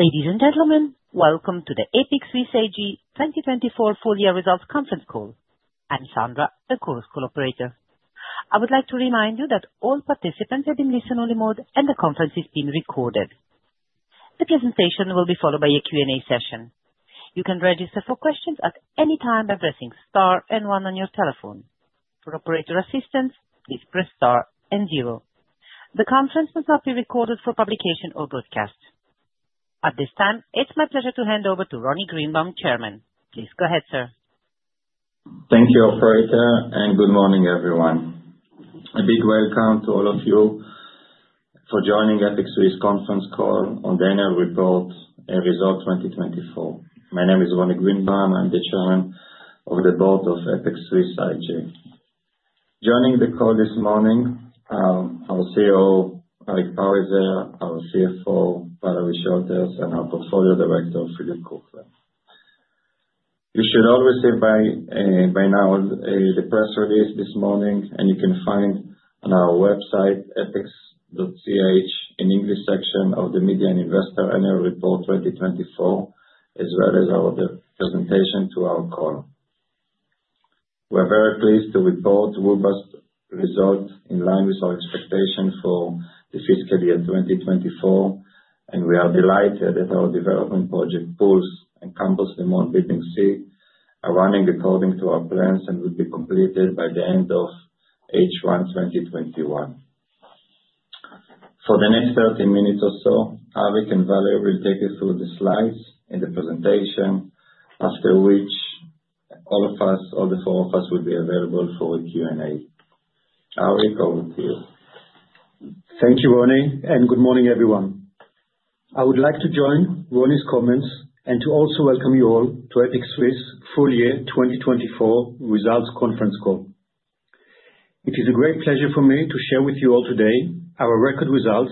Ladies and gentlemen, welcome to the EPIC Suisse AG 2024 full-year results conference call. I'm Sandra, the call operator. I would like to remind you that all participants are in listen-only mode and the conference is being recorded. The presentation will be followed by a Q&A session. You can register for questions at any time by pressing star and one on your telephone. For operator assistance, please press star and zero. The conference must not be recorded for publication or broadcast. At this time, it's my pleasure to hand over to Roni Greenbaum, chairman. Please go ahead, sir. Thank you, Operator, and good morning, everyone. A big welcome to all of you for joining EPIC Suisse conference call on the Annual Report Result 2024. My name is Roni Greenbaum. I'm the chairman of the board of EPIC Suisse AG. Joining the call this morning are our CEO, Arik Parizer, our CFO, Valérie Scholtes, and our Portfolio Director, Philipp Küchler. You should all receive by now the press release this morning, and you can find on our website, epics.ch, an English section of the Media and Investor Annual Report 2024 as well as our presentation to our call. We're very pleased to report robust results in line with our expectation for the fiscal year 2024, and we are delighted that our development project, PULSE and Campus Léman Building C, are running according to our plans and will be completed by the end of H1 2021. For the next 30 minutes or so, Arik and Valérie will take you through the slides in the presentation, after which all of us, all the four of us, will be available for a Q&A. Arik, over to you. Thank you, Roni, and good morning, everyone. I would like to join Roni's comments and to also welcome you all to EPIC Suisse full-year 2024 results conference call. It is a great pleasure for me to share with you all today our record results,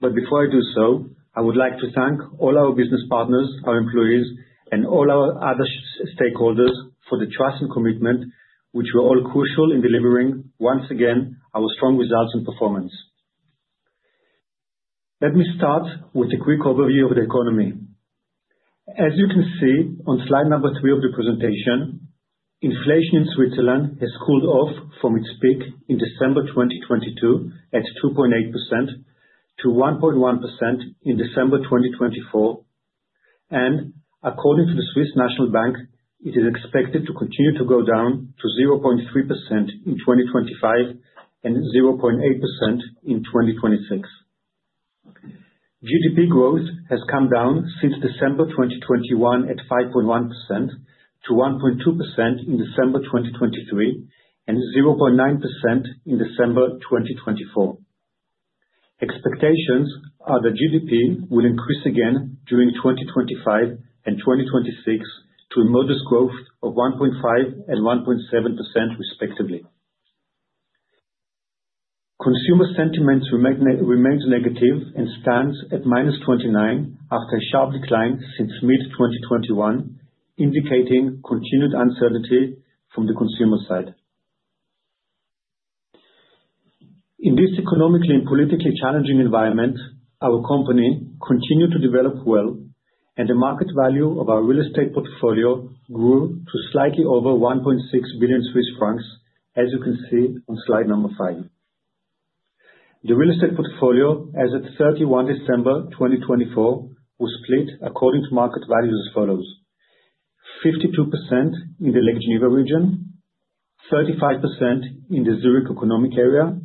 but before I do so, I would like to thank all our business partners, our employees, and all our other stakeholders for the trust and commitment, which were all crucial in delivering, once again, our strong results and performance. Let me start with a quick overview of the economy. As you can see on slide number three of the presentation, inflation in Switzerland has cooled off from its peak in December 2022 at 2.8% to 1.1% in December 2024, and according to the Swiss National Bank, it is expected to continue to go down to 0.3% in 2025 and 0.8% in 2026. GDP growth has come down since December 2021 at 5.1% to 1.2% in December 2023 and 0.9% in December 2024. Expectations are that GDP will increase again during 2025 and 2026 to a modest growth of 1.5% and 1.7%, respectively. Consumer sentiment remains negative and stands at -29 after a sharp decline since mid-2021, indicating continued uncertainty from the consumer side. In this economically and politically challenging environment, our company continued to develop well, and the market value of our real estate portfolio grew to slightly over 1.6 billion Swiss francs, as you can see on slide number five. The real estate portfolio, as of 31 December 2024, was split according to market values as follows: 52% in the Lake Geneva region, 35% in the Zürich economic area,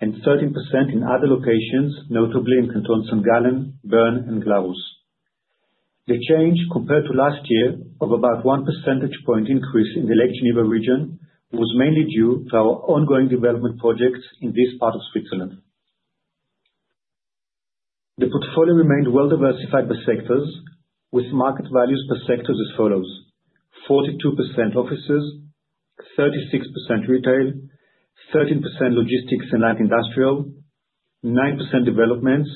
and 13% in other locations, notably in cantons of St. Gallen, Bern, and Glarus. The change, compared to last year of about one percentage point increase in the Lake Geneva region, was mainly due to our ongoing development projects in this part of Switzerland. The portfolio remained well diversified by sectors, with market values per sector as follows: 42% offices, 36% retail, 13% logistics and light industrial, 9% developments,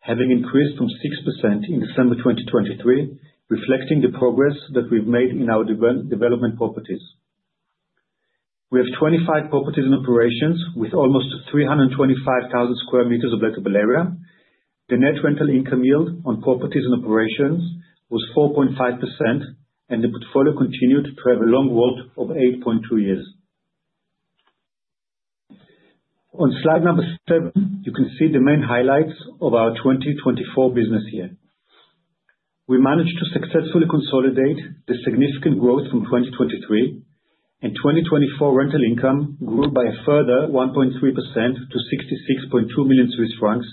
having increased from 6% in December 2023, reflecting the progress that we've made in our development properties. We have 25 properties and operations with almost 325,000 square meters of lettable area. The net rental income yield on properties and operations was 4.5%, and the portfolio continued to have a long WAULT of 8.2 years. On slide number seven, you can see the main highlights of our 2024 business year. We managed to successfully consolidate the significant growth from 2023, and 2024 rental income grew by a further 1.3% to 66.2 million Swiss francs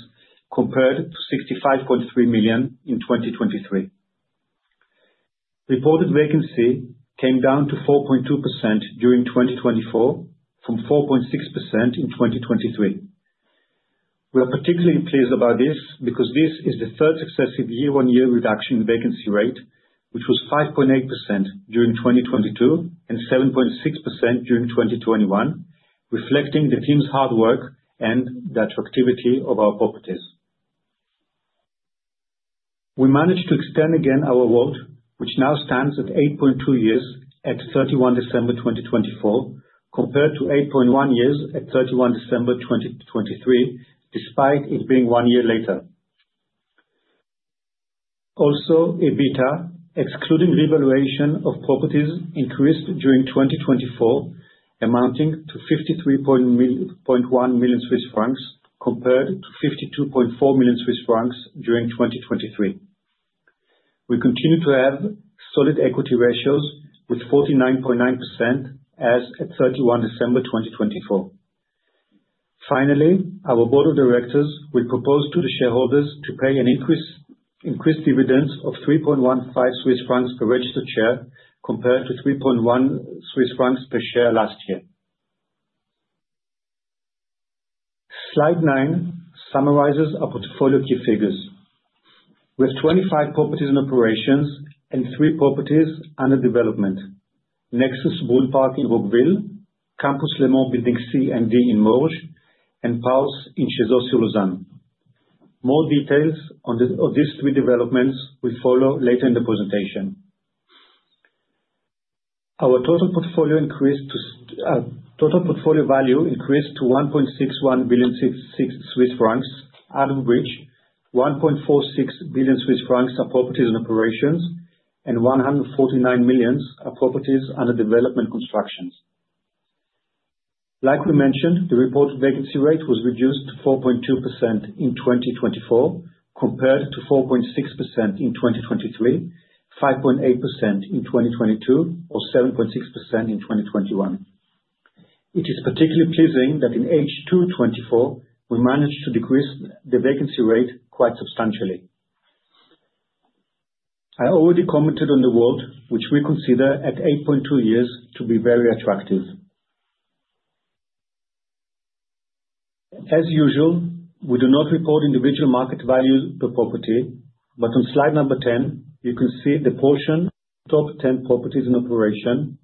compared to 65.3 million in 2023. Reported vacancy came down to 4.2% during 2024 from 4.6% in 2023. We are particularly pleased about this because this is the third successive year-on-year reduction in vacancy rate, which was 5.8% during 2022 and 7.6% during 2021, reflecting the team's hard work and the attractivity of our properties. We managed to extend again our WAULT, which now stands at 8.2 years at 31 December 2024 compared to 8.1 years at 31 December 2023, despite it being one year later. Also, EBITDA, excluding revaluation of properties, increased during 2024, amounting to 53.1 million Swiss francs compared to 52.4 million Swiss francs during 2023. We continue to have solid equity ratios with 49.9% as at 31 December 2024. Finally, our board of directors will propose to the shareholders to pay an increased dividend of 3.15 Swiss francs per registered share compared to 3.1 Swiss francs per share last year. Slide nine summarizes our portfolio key figures. We have 25 properties and operations and 3 properties under development: Nexus Brunnpark in Roggwil, Campus Léman Building C and D in Morges, and PULSE in Cheseaux-sur-Lausanne. More details on these three developments will follow later in the presentation. Our total portfolio value increased to 1.61 billion Swiss francs, out of which 1.46 billion Swiss francs are properties and operations and 149 million are properties under development constructions. Like we mentioned, the reported vacancy rate was reduced to 4.2% in 2024 compared to 4.6% in 2023, 5.8% in 2022, or 7.6% in 2021. It is particularly pleasing that in H2 2024, we managed to decrease the vacancy rate quite substantially. I already commented on the WAULT, which we consider at 8.2 years to be very attractive. As usual, we do not report individual market value per property, but on slide number 10, you can see the portion top 10 properties in operation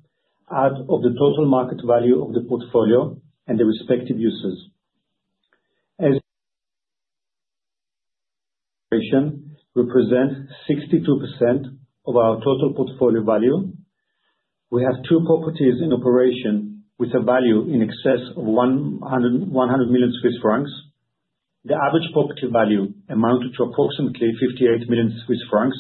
out of the total market value of the portfolio and the respective uses. As represent 62% of our total portfolio value, we have two properties in operation with a value in excess of 100 million Swiss francs. The average property value amounted to approximately 58 million Swiss francs,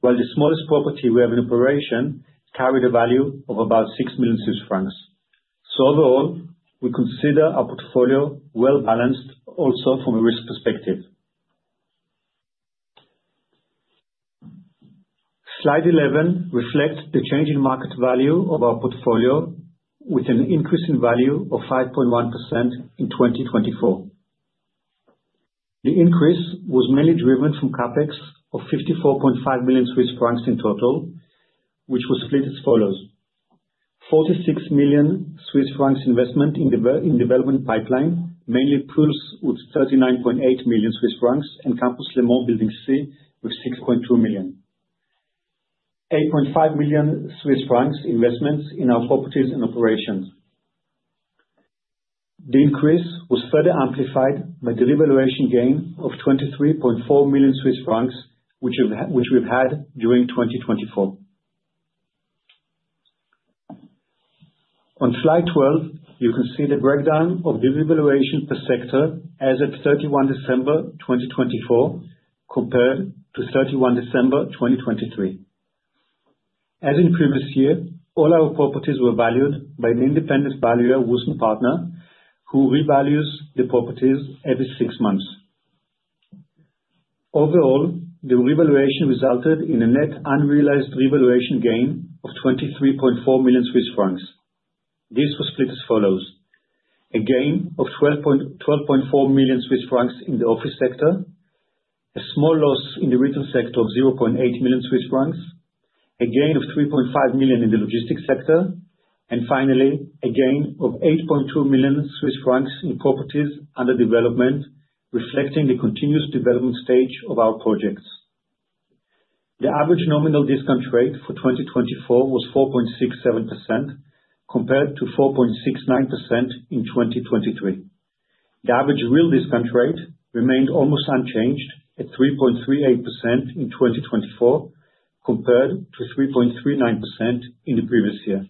while the smallest property we have in operation carried a value of about 6 million Swiss francs. So overall, we consider our portfolio well balanced also from a risk perspective. Slide 11 reflects the change in market value of our portfolio with an increase in value of 5.1% in 2024. The increase was mainly driven from CapEx of 54.5 million Swiss francs in total, which was split as follows: 46 million Swiss francs investment in development pipeline mainly PULSE with 39.8 million Swiss francs and Campus Léman Building C with 6.2 million, 8.5 million Swiss francs investments in our properties and operations. The increase was further amplified by the revaluation gain of 23.4 million Swiss francs, which we've had during 2024. On slide 12, you can see the breakdown of the revaluation per sector as of 31 December 2024 compared to 31 December 2023. As in previous year, all our properties were valued by an independent valuer, Wüest Partner, who revalues the properties every six months. Overall, the revaluation resulted in a net unrealized revaluation gain of 23.4 million Swiss francs. This was split as follows: a gain of 12.4 million Swiss francs in the office sector, a small loss in the retail sector of 0.8 million Swiss francs, a gain of 3.5 million in the logistics sector, and finally, a gain of 8.2 million Swiss francs in properties under development, reflecting the continuous development stage of our projects. The average nominal discount rate for 2024 was 4.67% compared to 4.69% in 2023. The average real discount rate remained almost unchanged at 3.38% in 2024 compared to 3.39% in the previous year.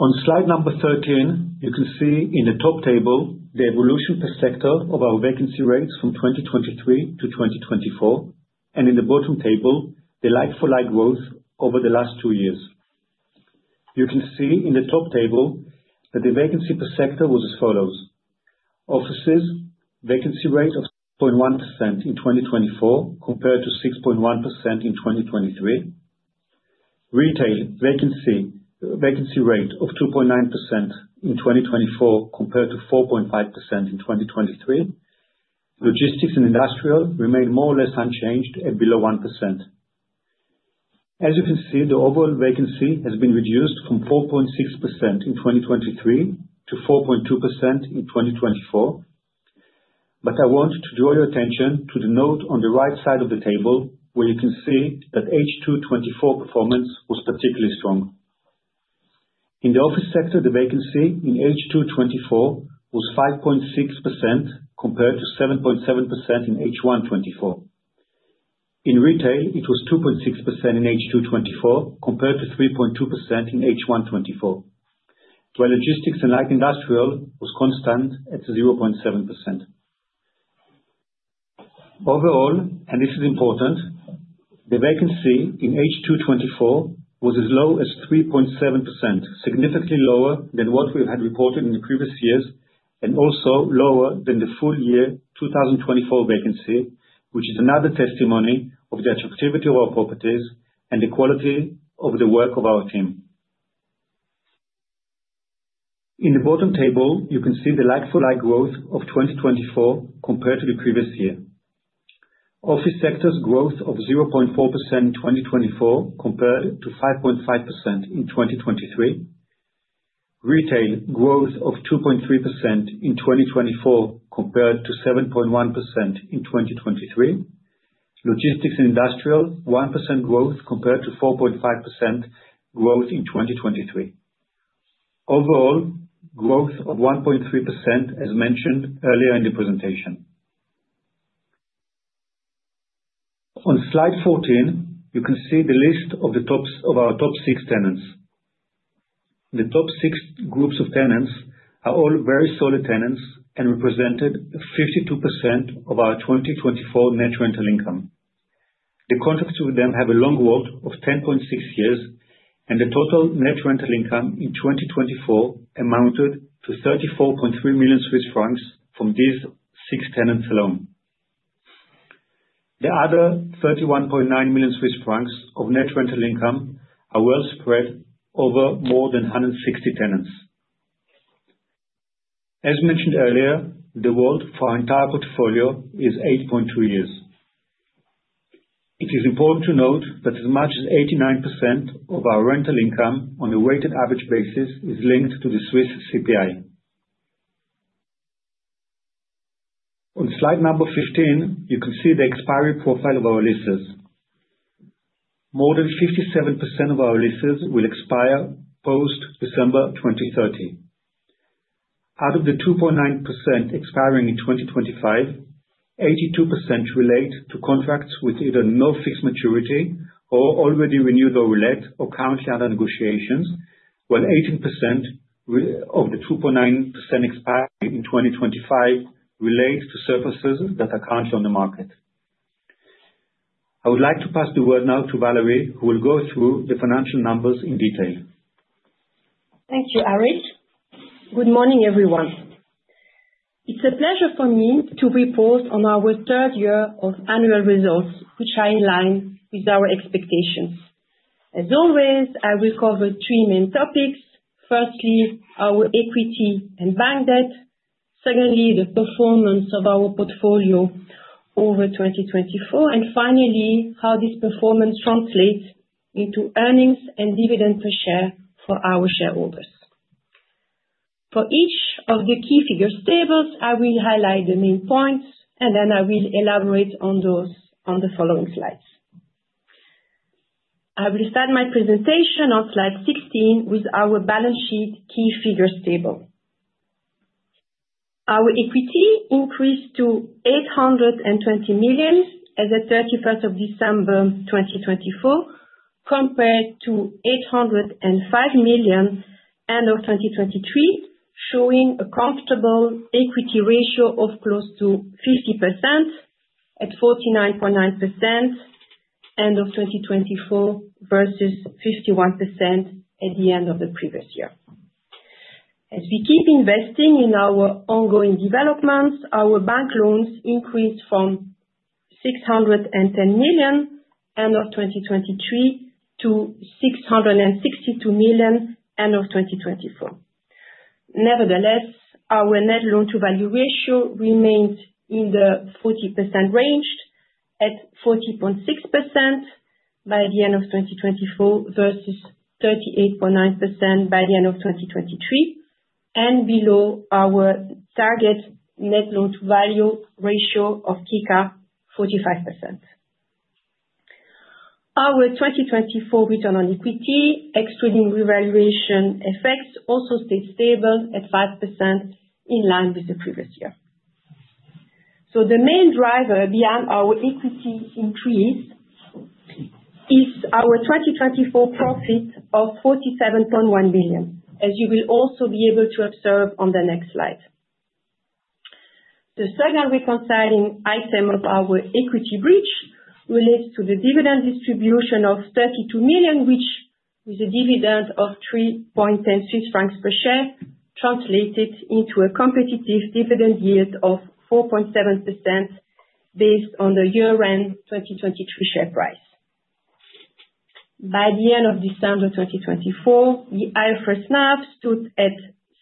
On slide number 13, you can see in the top table the evolution per sector of our vacancy rates from 2023 to 2024, and in the bottom table, the like-for-like growth over the last two years. You can see in the top table that the vacancy per sector was as follows: offices, vacancy rate of 6.1% in 2024 compared to 6.1% in 2023, retail, vacancy rate of 2.9% in 2024 compared to 4.5% in 2023, logistics and industrial remained more or less unchanged at below 1%. As you can see, the overall vacancy has been reduced from 4.6% in 2023 to 4.2% in 2024, but I want to draw your attention to the note on the right side of the table where you can see that H2 2024 performance was particularly strong. In the office sector, the vacancy in H2 2024 was 5.6% compared to 7.7% in H1 2024. In retail, it was 2.6% in H2 2024 compared to 3.2% in H1 2024, while logistics and light industrial was constant at 0.7%. Overall, and this is important, the vacancy in H2 2024 was as low as 3.7%, significantly lower than what we have had reported in the previous years and also lower than the full year 2024 vacancy, which is another testimony of the attractivity of our properties and the quality of the work of our team. In the bottom table, you can see the like-for-like growth of 2024 compared to the previous year: office sector's growth of 0.4% in 2024 compared to 5.5% in 2023. Retail growth of 2.3% in 2024 compared to 7.1% in 2023. Logistics and industrial 1% growth compared to 4.5% growth in 2023. Overall, growth of 1.3% as mentioned earlier in the presentation. On slide 14, you can see the list of our top six tenants. The top six groups of tenants are all very solid tenants and represented 52% of our 2024 net rental income. The contracts with them have a long WAULT of 10.6 years, and the total net rental income in 2024 amounted to 34.3 million Swiss francs from these six tenants alone. The other 31.9 million Swiss francs of net rental income are well spread over more than 160 tenants. As mentioned earlier, the WAULT for our entire portfolio is 8.2 years. It is important to note that as much as 89% of our rental income on a weighted average basis is linked to the Swiss CPI. On slide 15, you can see the expiry profile of our leases. More than 57% of our leases will expire post December 2030. Out of the 2.9% expiring in 2025, 82% relate to contracts with either no fixed maturity or already renewed or relegged or currently under negotiations, while 18% of the 2.9% expiring in 2025 relate to services that are currently on the market. I would like to pass the word now to Valérie, who will go through the financial numbers in detail. Thank you, Arik. Good morning, everyone. It's a pleasure for me to report on our third year of annual results, which are in line with our expectations. As always, I will cover three main topics: firstly, our equity and bank debt; secondly, the performance of our portfolio over 2024; and finally, how this performance translates into earnings and dividend per share for our shareholders. For each of the key figures tables, I will highlight the main points, and then I will elaborate on those on the following slides. I will start my presentation on slide 16 with our balance sheet key figures table. Our equity increased to 820 million as of 31 December 2024 compared to 805 million end of 2023, showing a comfortable equity ratio of close to 50% at 49.9% end of 2024 versus 51% at the end of the previous year. As we keep investing in our ongoing developments, our bank loans increased from 610 million end of 2023 to 662 million end of 2024. Nevertheless, our net loan-to-value ratio remained in the 40% range at 40.6% by the end of 2024 versus 38.9% by the end of 2023 and below our target net loan-to-value ratio of circa 45%. Our 2024 return on equity excluding revaluation effects also stayed stable at 5% in line with the previous year. So the main driver beyond our equity increase is our 2024 profit of 47.1 million, as you will also be able to observe on the next slide. The second reconciling item of our equity breach relates to the dividend distribution of 32 million, which with a dividend of 3.10 Swiss francs per share translated into a competitive dividend yield of 4.7% based on the year-end 2023 share price. By the end of December 2024, the IFRS NAV stood at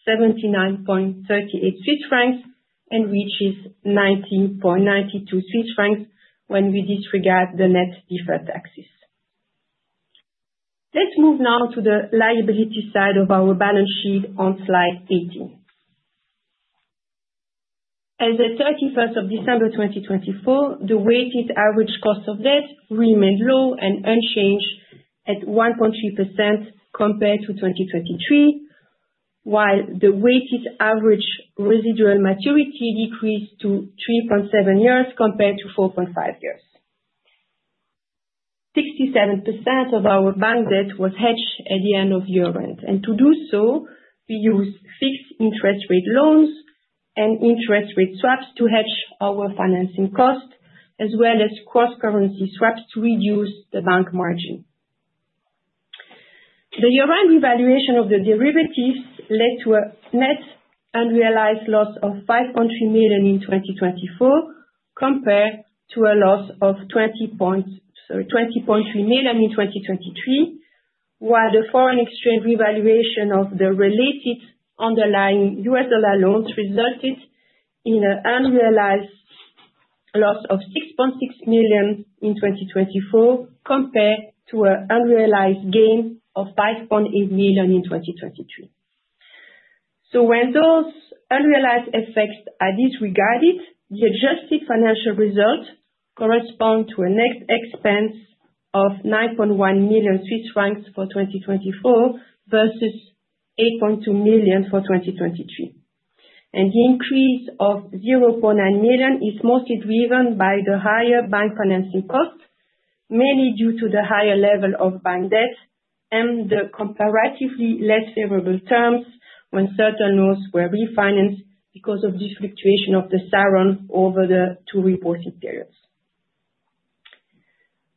79.38 Swiss francs and reaches 90.92 Swiss francs when we disregard the net deferred taxes. Let's move now to the liability side of our balance sheet on slide 18. As of 31 December 2024, the weighted average cost of debt remained low and unchanged at 1.3% compared to 2023, while the weighted average residual maturity decreased to 3.7 years compared to 4.5 years. 67% of our bank debt was hedged at the end of year-end, and to do so, we used fixed interest rate loans and interest rate swaps to hedge our financing cost, as well as cross-currency swaps to reduce the bank margin. The year-end revaluation of the derivatives led to a net unrealized loss of 5.3 million in 2024 compared to a loss of 20.3 million in 2023, while the foreign exchange revaluation of the related underlying U.S. dollar loans resulted in an unrealized loss of 6.6 million in 2024 compared to an unrealized gain of 5.8 million in 2023. So when those unrealized effects are disregarded, the adjusted financial result corresponds to a net expense of 9.1 million Swiss francs for 2024 versus 8.2 million for 2023. And the increase of 0.9 million is mostly driven by the higher bank financing cost, mainly due to the higher level of bank debt and the comparatively less favorable terms when certain loans were refinanced because of the fluctuation of the SARON over the two reporting periods.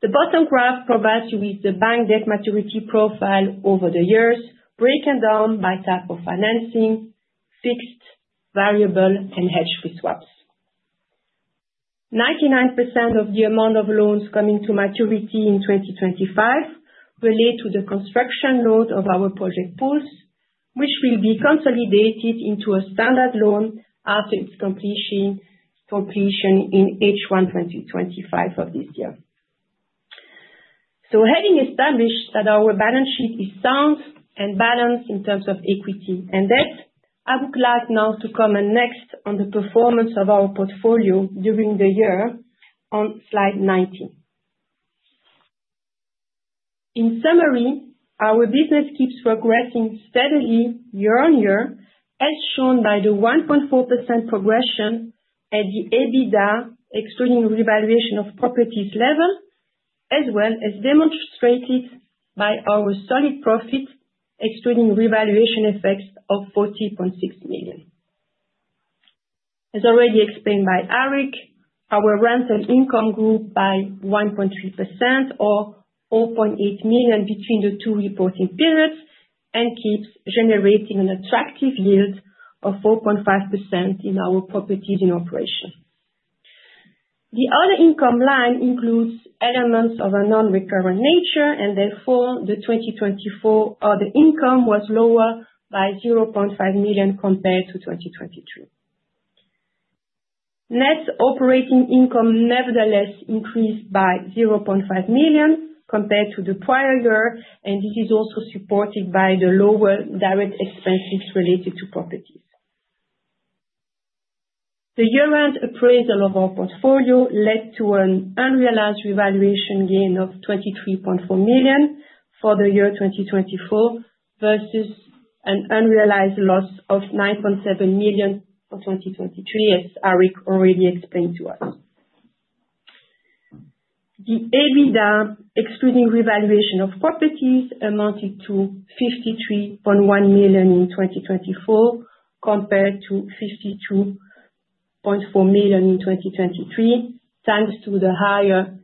The bottom graph provides you with the bank debt maturity profile over the years broken down by type of financing: fixed, variable, and hedged with swaps. 99% of the amount of loans coming to maturity in 2025 relate to the construction loan of our project PULSE, which will be consolidated into a standard loan after its completion in H1 2025 of this year. So having established that our balance sheet is sound and balanced in terms of equity and debt, I would like now to comment next on the performance of our portfolio during the year on slide 19. In summary, our business keeps progressing steadily year on year, as shown by the 1.4% progression at the EBITDA excluding revaluation of properties level, as well as demonstrated by our solid profit excluding revaluation effects of 40.6 million. As already explained by Arik, our rental income grew by 1.3% or 4.8 million between the two reporting periods and keeps generating an attractive yield of 4.5% in our properties in operation. The other income line includes elements of a non-recurring nature, and therefore, the 2024 other income was lower by 0.5 million compared to 2022. Net operating income nevertheless increased by 0.5 million compared to the prior year, and this is also supported by the lower direct expenses related to properties. The year-end appraisal of our portfolio led to an unrealized revaluation gain of 23.4 million for the year 2024 versus an unrealized loss of 9.7 million for 2023, as Arik already explained to us. The EBITDA excluding revaluation of properties amounted to 53.1 million in 2024 compared to 52.4 million in 2023 thanks to the higher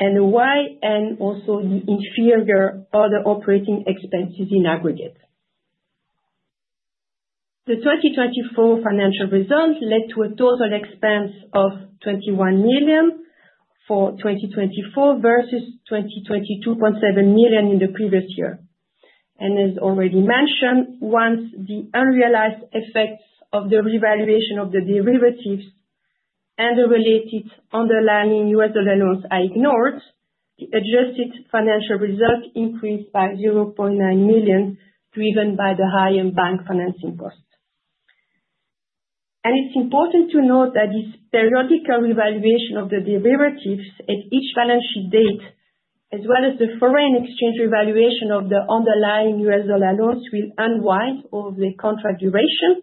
NOI and also the lower other operating expenses in aggregate. The 2024 financial result led to a total expense of 21 million for 2024 versus 22.7 million in the previous year. As already mentioned, once the unrealized effects of the revaluation of the derivatives and the related underlying U.S. dollar loans are ignored, the adjusted financial result increased by 0.9 million driven by the higher bank financing cost. It's important to note that this periodical revaluation of the derivatives at each balance sheet date, as well as the foreign exchange revaluation of the underlying U.S. dollar loans, will unwind over the contract duration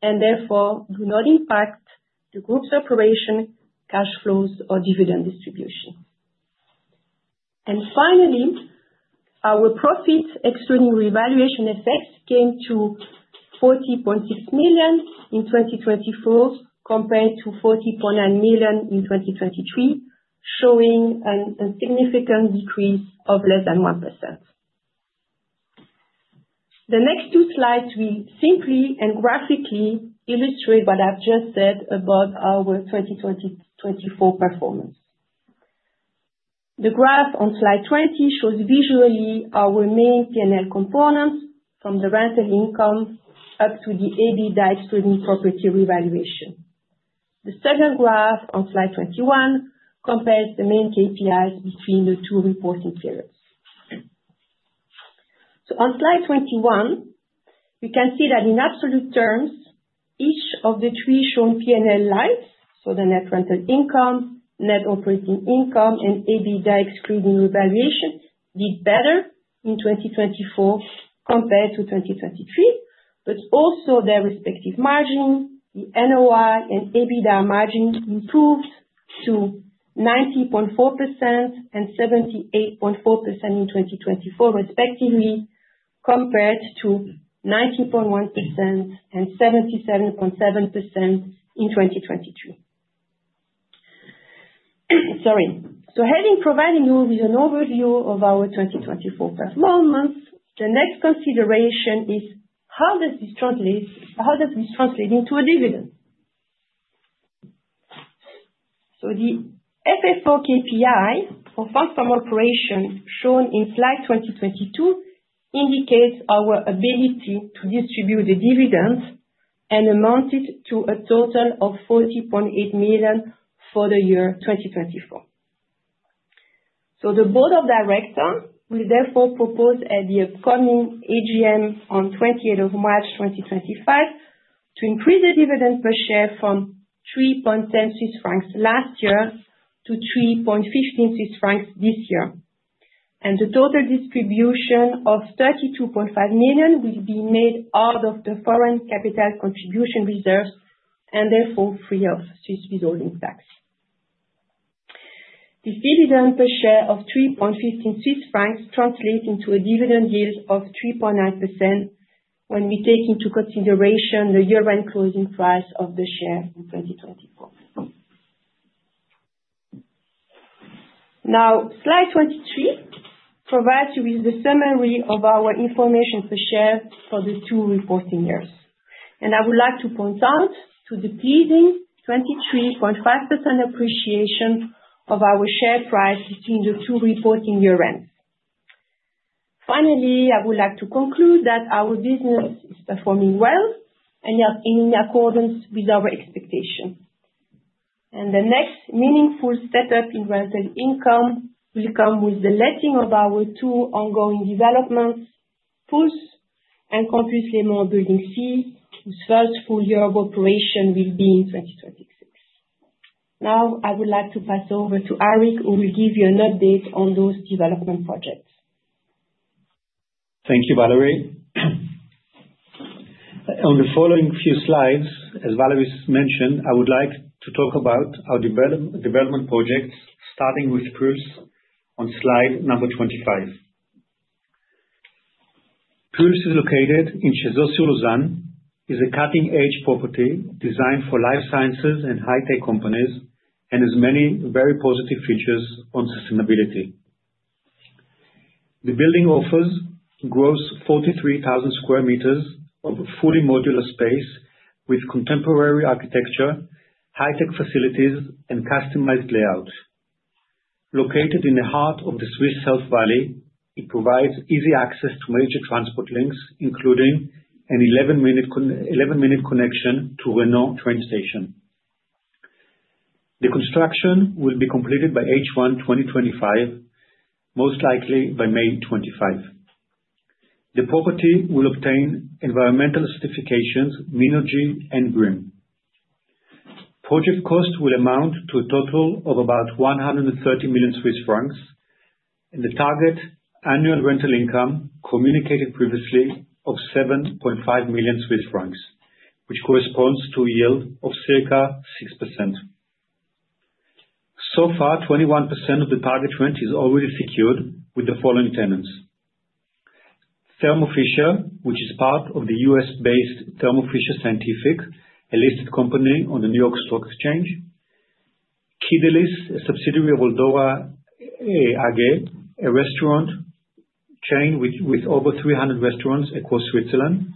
and therefore do not impact the group's operation, cash flows, or dividend distribution. Finally, our profit excluding revaluation effects came to 40.6 million in 2024 compared to 40.9 million in 2023, showing a significant decrease of less than 1%. The next two slides will simply and graphically illustrate what I've just said about our 2024 performance. The graph on slide 20 shows visually our main P&L components from the rental income up to the EBITDA excluding property revaluation. The second graph on slide 21 compares the main KPIs between the two reporting periods. So on slide 21, you can see that in absolute terms, each of the three shown P&L lines, so the net rental income, net operating income, and EBITDA excluding revaluation, did better in 2024 compared to 2023, but also their respective margin, the NOI and EBITDA margin, improved to 90.4% and 78.4% in 2024 respectively compared to 90.1% and 77.7% in 2023. Sorry. So having provided you with an overview of our 2024 performance, the next consideration is how does this translate into a dividend? So the FFO KPI for funds from operation shown in slide 22 indicates our ability to distribute the dividend and amounted to a total of 40.8 million for the year 2024. So the board of directors will therefore propose at the upcoming AGM on 28th March 2025 to increase the dividend per share from 3.10 Swiss francs last year to 3.15 Swiss francs this year. The total distribution of 32.5 million will be made out of the foreign capital contribution reserves and therefore free of withholding tax. This dividend per share of 3.15 Swiss francs translates into a dividend yield of 3.9% when we take into consideration the year-end closing price of the share in 2024. Now, slide 23 provides you with the summary of our information per share for the two reporting years. And I would like to point out the pleasing 23.5% appreciation of our share price between the two reporting year-ends. Finally, I would like to conclude that our business is performing well and in accordance with our expectations. And the next meaningful step up in rental income will come with the letting of our two ongoing developments, PULSE and Campus Léman Building C, whose first full year of operation will be in 2026. Now, I would like to pass over to Arik, who will give you an update on those development projects. Thank you, Valérie. On the following few slides, as Valérie mentioned, I would like to talk about our development projects starting with PULSE on slide number 25. PULSE is located in Cheseaux-sur-Lausanne, is a cutting-edge property designed for life sciences and high-tech companies, and has many very positive features on sustainability. The building offers gross 43,000 square meters of fully modular space with contemporary architecture, high-tech facilities, and customized layout. Located in the heart of Lake Geneva, it provides easy access to major transport links, including an 11-minute connection to Renens train station. The construction will be completed by H1 2025, most likely by May 25. The property will obtain environmental certifications Minergie and Green. Project cost will amount to a total of about 130 million Swiss francs, and the target annual rental income communicated previously of 7.5 million Swiss francs, which corresponds to a yield of circa 6%. So far, 21% of the target rent is already secured with the following tenants: Thermo Fisher, which is part of the U.S.-based Thermo Fisher Scientific, a listed company on the New York Stock Exchange. Kidélis, a subsidiary of Eldora AG, a restaurant chain with over 300 restaurants across Switzerland.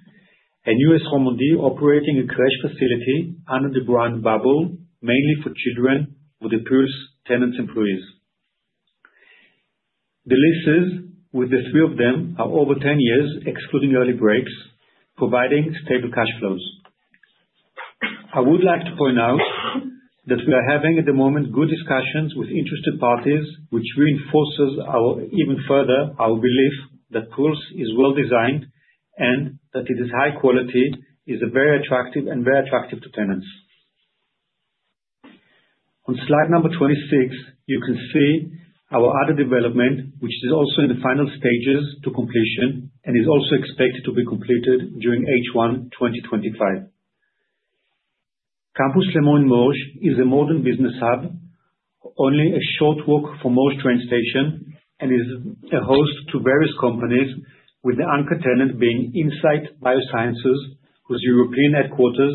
And U.S. Romandie operating a crèche facility under the brand Bubble, mainly for children of the PULSE tenants' employees. The leases with the three of them are over 10 years, excluding early breaks, providing stable cash flows. I would like to point out that we are having at the moment good discussions with interested parties, which reinforces even further our belief that PULSE is well designed and that it is high quality, is very attractive, and very attractive to tenants. On slide number 26, you can see our other development, which is also in the final stages to completion and is also expected to be completed during H1 2025. Campus Léman in Morges is a modern business hub, only a short walk from Morges train station, and is a host to various companies, with the anchor tenant being Incyte Biosciences, whose European headquarters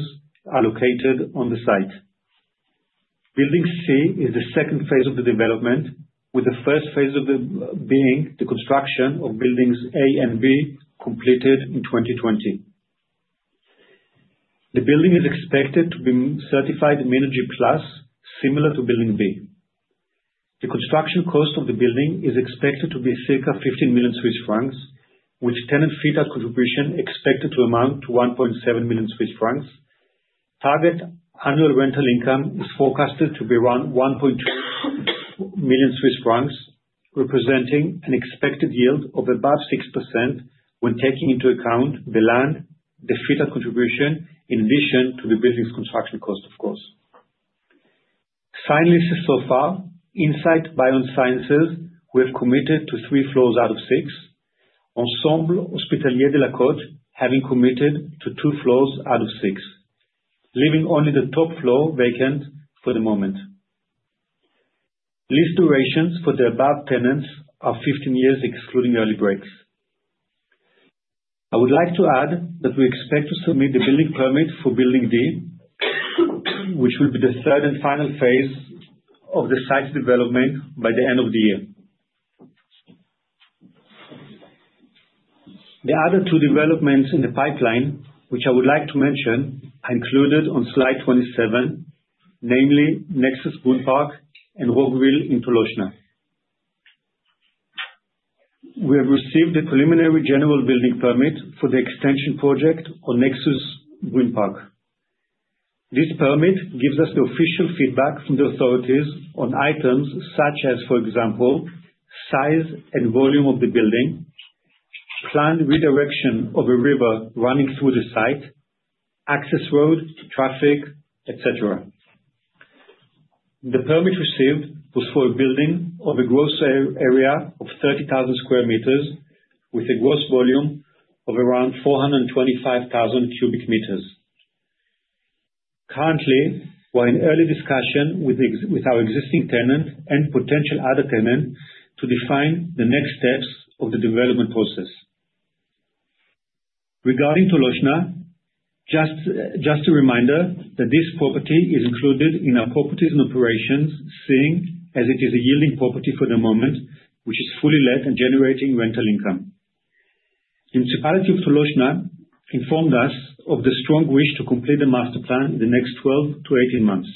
are located on the site. Building C is the second phase of the development, with the first phase being the construction of buildings A and B completed in 2020. The building is expected to be certified Minergie-P, similar to Building B. The construction cost of the building is expected to be circa 15 million Swiss francs, with tenant fit-out contribution expected to amount to 1.7 million Swiss francs. Target annual rental income is forecasted to be around 1.2 million Swiss francs, representing an expected yield of above 6% when taking into account the land, the fit-out contribution, in addition to the building's construction cost, of course. Signed so far: Incyte Biosciences, who have committed to three floors out of six; Ensemble Hospitalier de la Côte, having committed to two floors out of six, leaving only the top floor vacant for the moment. Lease durations for the above tenants are 15 years, excluding early breaks. I would like to add that we expect to submit the building permit for Building D, which will be the third and final phase of the site's development by the end of the year. The other two developments in the pipeline, which I would like to mention, are included on slide 27, namely Nexus Brunnpark and Roggwil in Tolochenaz. We have received a preliminary general building permit for the extension project on Nexus Brunnpark. This permit gives us the official feedback from the authorities on items such as, for example, size and volume of the building, planned redirection of a river running through the site, access road, traffic, etc. The permit received was for a building of a gross area of 30,000 square meters, with a gross volume of around 425,000 cubic meters. Currently, we're in early discussion with our existing tenant and potential other tenant to define the next steps of the development process. Regarding Tolochenaz, just a reminder that this property is included in our properties in operations, seeing as it is a yielding property for the moment, which is fully let and generating rental income. The municipality of Tolochenaz informed us of the strong wish to complete the master plan in the next 12-18 months.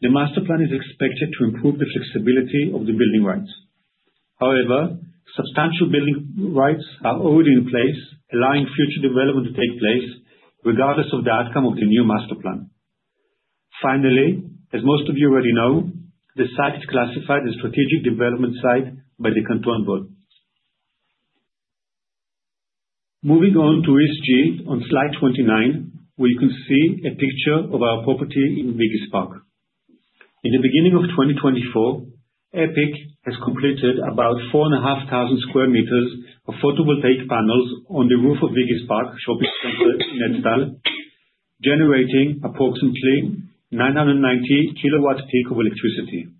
The master plan is expected to improve the flexibility of the building rights. However, substantial building rights are already in place, allowing future development to take place regardless of the outcome of the new master plan. Finally, as most of you already know, the site is classified as a strategic development site by the Canton Vaud. Moving on to ESG, on slide 29, where you can see a picture of our property in Wiggispark. In the beginning of 2024, Epic has completed about 4,500 square meters of photovoltaic panels on the roof of Wiggispark shopping center in Netstal, generating approximately 990 kW-peak of electricity.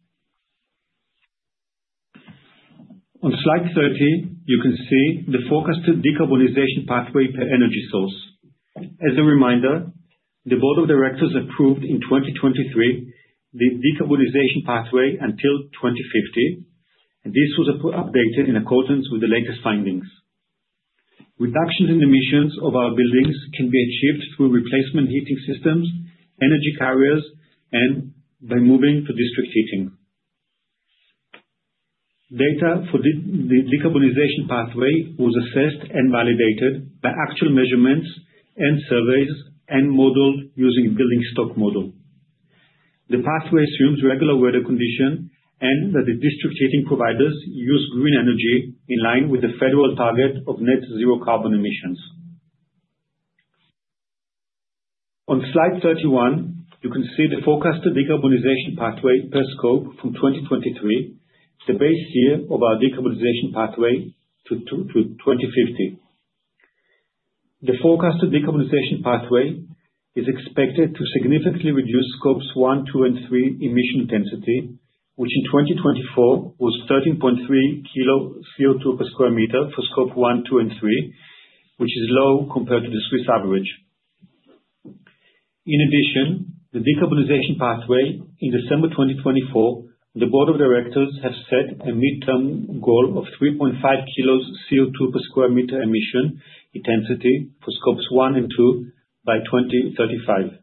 On Slide 30, you can see the forecasted decarbonization pathway per energy source. As a reminder, the board of directors approved in 2023 the decarbonization pathway until 2050, and this was updated in accordance with the latest findings. Reductions in emissions of our buildings can be achieved through replacement heating systems, energy carriers, and by moving to district heating. Data for the decarbonization pathway was assessed and validated by actual measurements and surveys and modeled using a building stock model. The pathway assumes regular weather conditions and that the district heating providers use green energy in line with the federal target of net zero carbon emissions. On slide 31, you can see the forecasted decarbonization pathway per scope from 2023, the base year of our decarbonization pathway to 2050. The forecasted decarbonization pathway is expected to significantly reduce Scope 1, 2, and 3 emission intensity, which in 2024 was 13.3 kilos CO2 per square meter for Scope 1, 2, and 3, which is low compared to the Swiss average. In addition, the decarbonization pathway in December 2024, the board of directors has set a midterm goal of 3.5 kilos CO2 per square meter emission intensity for Scope 1 and 2 by 2035.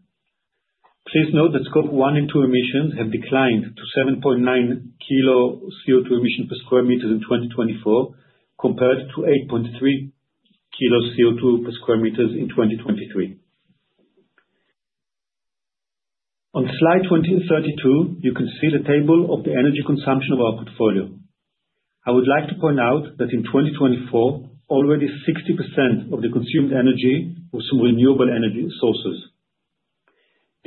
Please note that Scope 1 and 2 emissions have declined to 7.9 kilos CO2 emission per square meter in 2024 compared to 8.3 kilos CO2 per square meter in 2023. On slide 32, you can see the table of the energy consumption of our portfolio. I would like to point out that in 2024, already 60% of the consumed energy was from renewable energy sources.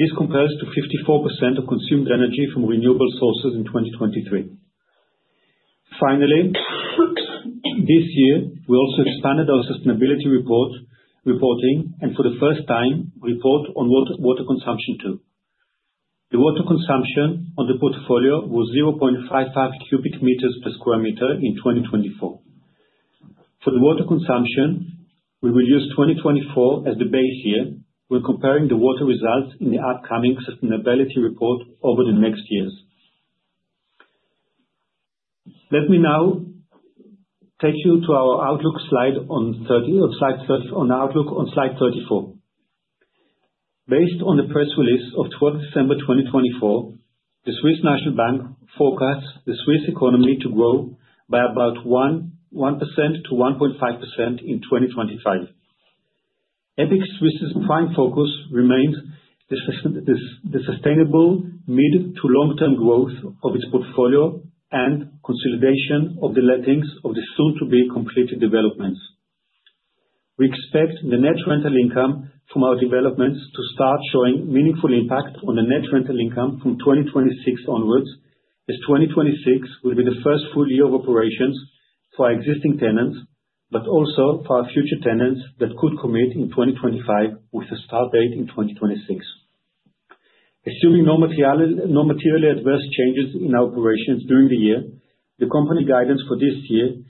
This compares to 54% of consumed energy from renewable sources in 2023. Finally, this year, we also expanded our sustainability reporting and, for the first time, report on water consumption too. The water consumption on the portfolio was 0.55 cubic meters per square meter in 2024. For the water consumption, we will use 2024 as the base year when comparing the water results in the upcoming sustainability report over the next years. Let me now take you to our Outlook slide on slide 30 on Outlook on slide 34. Based on the press release of 12 December 2024, the Swiss National Bank forecasts the Swiss economy to grow by about 1%-1.5% in 2025. EPIC Suisse's prime focus remains the sustainable mid- to long-term growth of its portfolio and consolidation of the lettings of the soon-to-be completed developments. We expect the net rental income from our developments to start showing meaningful impact on the net rental income from 2026 onwards, as 2026 will be the first full year of operations for our existing tenants but also for our future tenants that could commit in 2025 with a start date in 2026. Assuming no materially adverse changes in our operations during the year, the company guidance for this year,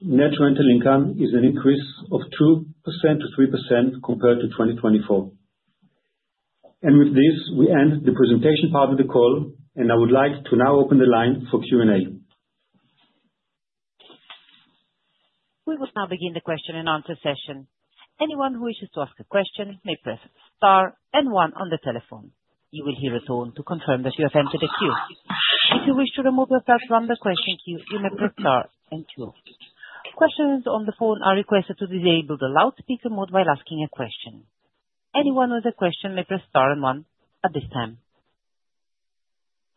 net rental income, is an increase of 2%-3% compared to 2024. With this, we end the presentation part of the call, and I would like to now open the line for Q&A. We will now begin the question-and-answer session. Anyone who wishes to ask a question may press star and one on the telephone. You will hear a tone to confirm that you have entered a queue. If you wish to remove yourself from the question queue, you may press star and two. Questions on the phone are requested to disable the loudspeaker mode while asking a question. Anyone with a question may press star and one at this time.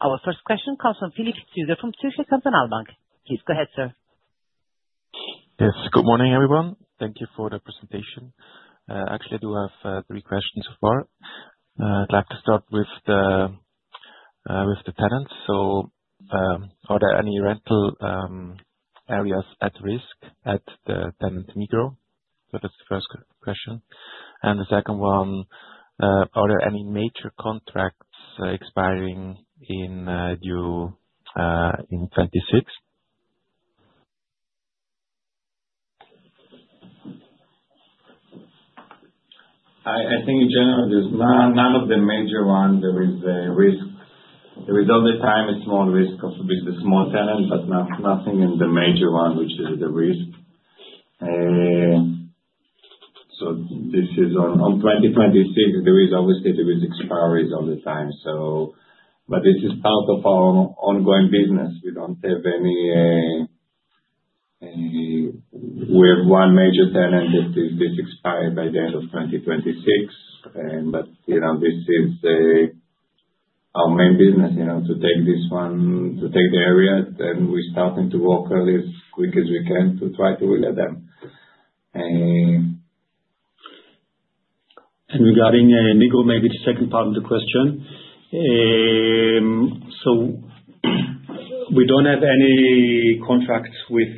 Our first question comes from Philipp Züger from Zürcher Kantonalbank. Please go ahead, sir. Yes. Good morning, everyone. Thank you for the presentation. Actually, I do have three questions so far. I'd like to start with the tenants. So are there any rental areas at risk at the tenant Migros? So that's the first question. And the second one, are there any major contracts expiring in 2026? I think, in general, there's none of the major ones there is risk. There is all the time a small risk with the small tenant, but nothing in the major one, which is the risk. So this is on 2026, there is obviously there is expiry all the time. But this is part of our ongoing business. We have one major tenant that is this expires by the end of 2026. But this is our main business, to take this one to take the area, and we're starting to work as quick as we can to try to relay them. Regarding Migros, maybe the second part of the question. So we don't have any contracts with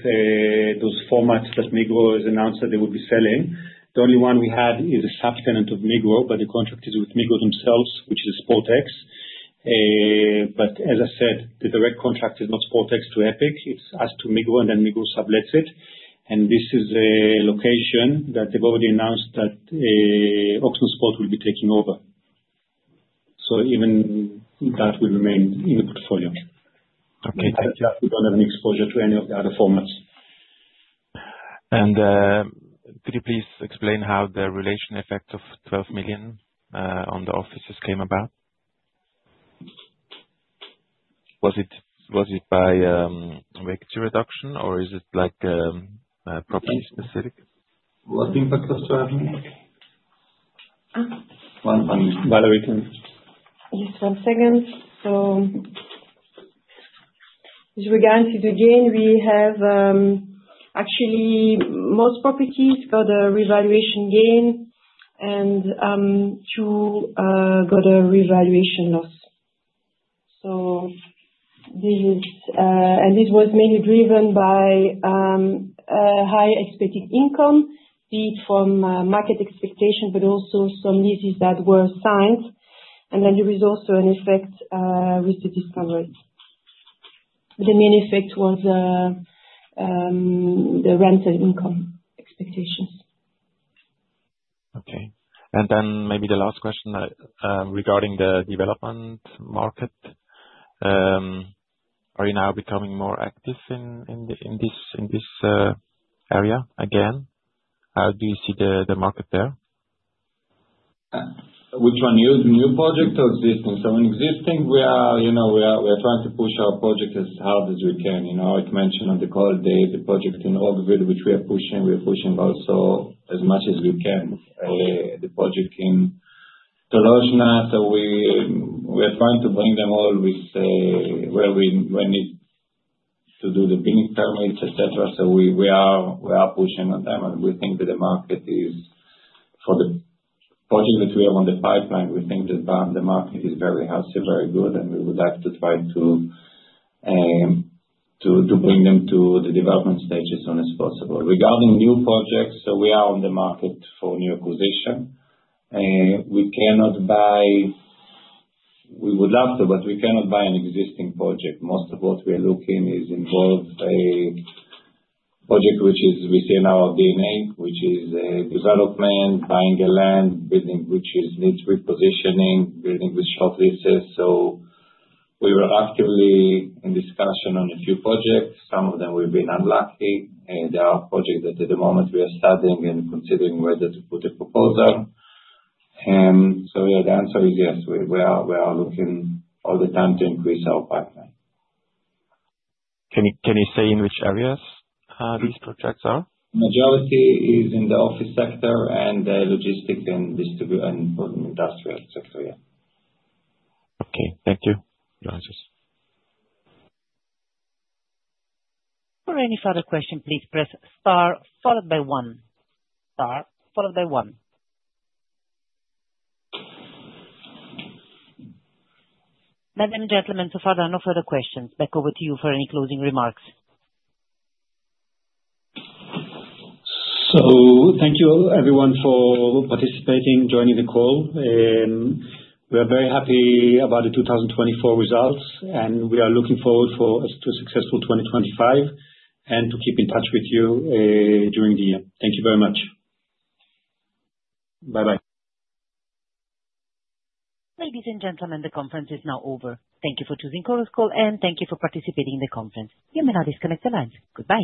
those formats that Migros has announced that they would be selling. The only one we have is a subtenant of Migros, but the contract is with Migros themselves, which is a SportX. But as I said, the direct contract is not SportX to EPIC. It's us to Migros, and then Migros sublets it. And this is a location that they've already announced that Ochsner Sport will be taking over. So even that will remain in the portfolio. We don't have any exposure to any of the other formats. And could you please explain how the revaluation effect of 12 million on the offices came about? Was it by vacancy reduction, or is it property-specific? What impact of 12 million? One moment. Valérie can just. Yes. One second. So regarding the gain, we have actually most properties got a revaluation gain and two got a revaluation loss. This was mainly driven by high expected income, be it from market expectation but also some leases that were signed. Then there is also an effect with the discount rate. The main effect was the rental income expectations. Okay. Then maybe the last question regarding the development market. Are you now becoming more active in this area again? How do you see the market there? Which one, new project or existing? So in existing, we are trying to push our project as hard as we can. Like mentioned on the call today, the project in Roggwil, which we are pushing, we are pushing also as much as we can. The project in Tolochenaz, so we are trying to bring them all where we need to do the building permits, etc. So we are pushing on them, and we think that the market is for the project that we have on the pipeline. We think that the market is very healthy, very good, and we would like to try to bring them to the development stage as soon as possible. Regarding new projects, so we are on the market for new acquisition. We cannot buy. We would love to, but we cannot buy an existing project. Most of what we are looking is involve a project which is we see in our D&A, which is development, buying a land, building which needs repositioning, building with shortlists. So we were actively in discussion on a few projects. Some of them, we've been unlucky. There are projects that, at the moment, we are studying and considering whether to put a proposal. So yeah, the answer is yes. We are looking all the time to increase our pipeline. Can you say in which areas these projects are? Majority is in the office sector and logistics and industrial sector, yeah. Okay. Thank you. For any further question, please press star followed by one. Star, followed by one. Ladies and gentlemen, so far, there are no further questions. Back over to you for any closing remarks. So thank you, everyone, for participating, joining the call. We are very happy about the 2024 results, and we are looking forward to a successful 2025 and to keep in touch with you during the year. Thank you very much. Bye-bye. Ladies and gentlemen, the conference is now over. Thank you for choosing Chorus Call, and thank you for participating in the conference. You may now disconnect the lines. Goodbye.